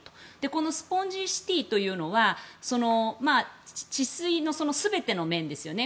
このスポンジシティというのは治水の全ての面ですよね。